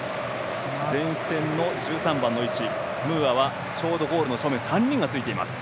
前線の１３番の位置ムーアはゴールの正面３人がついています。